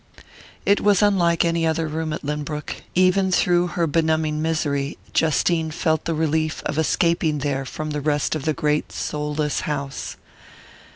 It was unlike any other room at Lynbrook even through her benumbing misery, Justine felt the relief of escaping there from the rest of the great soulless house.